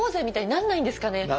みたいになんないんですかね？